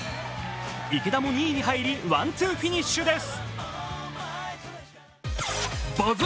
池田も２位に入り、ワン・ツーフィニッシュです。